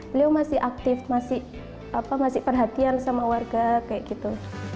beliau masih aktif masih perhatian sama warga kayak gitu